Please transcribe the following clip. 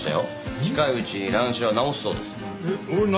近いうちに乱視は治すそうです。